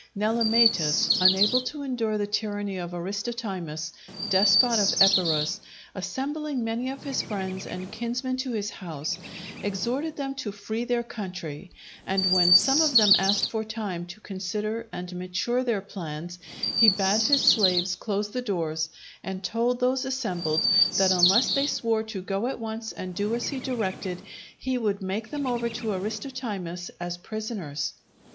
Nelematus, unable to endure the tyranny of Aristotimus, despot of Epirus, assembling many of his friends and kinsmen in his house, exhorted them to free their country; and when some of them asked for time to consider and mature their plans, he bade his slaves close the doors, and told those assembled that unless they swore to go at once and do as he directed he would make them over to Aristotimus as prisoners.